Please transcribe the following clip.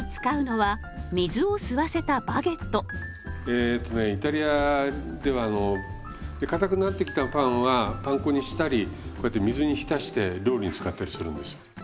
えとねイタリアではかたくなってきたパンはパン粉にしたりこうやって水に浸して料理に使ったりするんですよ。